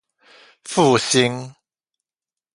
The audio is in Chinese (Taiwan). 復興